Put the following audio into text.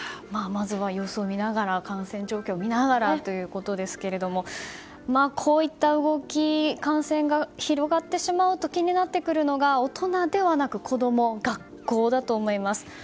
まずは様子を見ながら感染状況を見ながらということですがこういった動き、感染が広がってしまうと気になるのが大人ではなく子供学校だと思います。